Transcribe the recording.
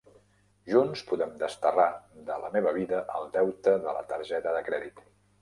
Junts podem desterrar de la meva vida el deute de la targeta de crèdit.